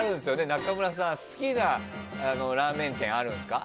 中村さんは好きなラーメンあるんですか？